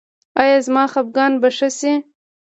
ایا زما خپګان به ښه شي؟